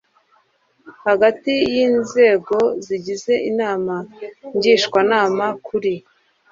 hagati y inzego zigize inama ngishwanama kuri